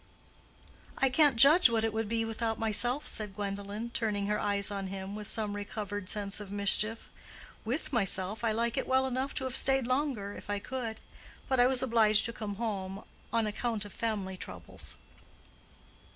"I can't judge what it would be without myself," said Gwendolen, turning her eyes on him, with some recovered sense of mischief. "With myself I like it well enough to have stayed longer, if I could. But I was obliged to come home on account of family troubles."